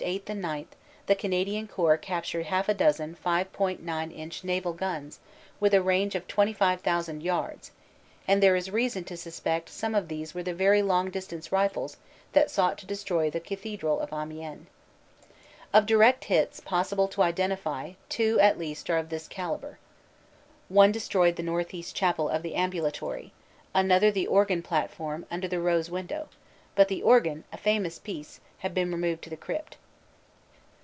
8 and 9, the Canadian Corps captured half a dozen 5.9 inch naval guns, with a range of 25,000 yards, and there is reason to suspect some of these were the very long distance rifles that sought to destroy the cathedral of Amiens. Of direct hits possible to identify two at least are of this calibre. FRENCH SCENES 105 One destroyed the northeast chapel of the ambulatory; another the organ platform under the rose window, but the organ, a famous piece, had been removed to the crypt.